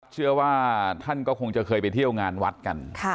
เชื่อว่าท่านก็คงจะเคยไปเที่ยวงานวัดกัน